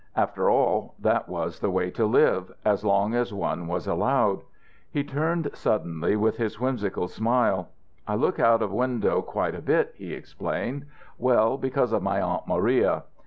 After all, that was the way to live as long as one was allowed. He turned suddenly with his whimsical smile. "I look out o' window quite a bit," he explained, "well, because of my aunt Maria."